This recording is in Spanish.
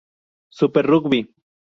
Super Rugby